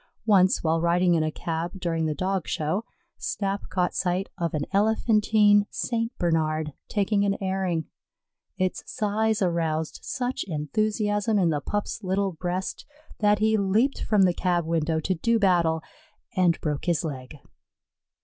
Once, while riding in a cab during the Dog Show, Snap caught sight of an elephantine St. Bernard taking an airing. Its size aroused such enthusiasm in the Pup's little breast that he leaped from the cab window to do battle, and broke his leg.